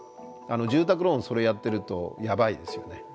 住宅ローンそれやってるとやばいですよね。